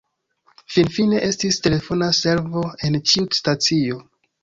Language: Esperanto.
Finfine, estis telefona servo en ĉiu stacio.